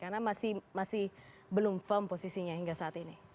karena masih belum firm posisinya hingga saat ini